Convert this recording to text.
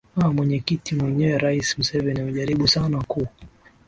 a mwenyekiti mwenyewe rais museveni amejaribu sana kuu